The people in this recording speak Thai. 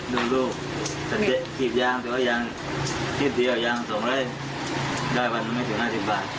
แล้วยังทิศเดียวยังส่งเลยได้วันไม่ถึงห้าสิบบาท